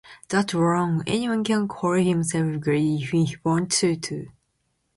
That's wrong, anyone can call himself great if he wants to.